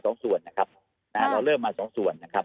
ก็เริ่มจากการตรงเรียนมา๒ส่วนนะครับ